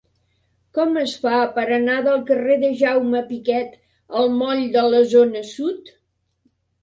Com es fa per anar del carrer de Jaume Piquet al moll de la Zona Sud?